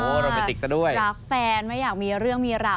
โรแมนติกซะด้วยรักแฟนไม่อยากมีเรื่องมีราว